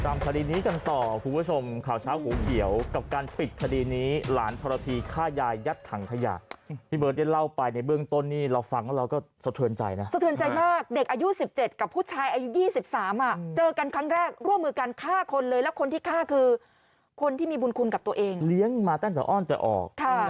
คดีนี้กันต่อคุณผู้ชมข่าวเช้าหูเขียวกับการปิดคดีนี้หลานทรพีฆ่ายายยัดถังขยะพี่เบิร์ตได้เล่าไปในเบื้องต้นนี่เราฟังแล้วเราก็สะเทือนใจนะสะเทือนใจมากเด็กอายุ๑๗กับผู้ชายอายุ๒๓เจอกันครั้งแรกร่วมมือกันฆ่าคนเลยแล้วคนที่ฆ่าคือคนที่มีบุญคุณกับตัวเองเลี้ยงมาตั้งแต่อ้อนแต่ออก